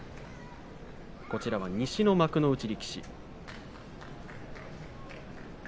こちらは西の幕内力士です。